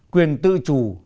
quyền tự chủ đại học